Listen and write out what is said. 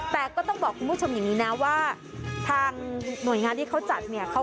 แต่ก็ต้องบอกคุณผู้ชมอย่างนี้นะว่าทางหน่วยงานที่เขาจัดเนี่ย